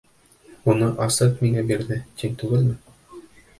Уны Асет миңә бирҙе, тиң түгелме?